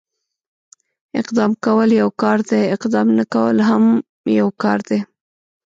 اقدام کول يو کار دی، اقدام نه کول هم يو کار دی.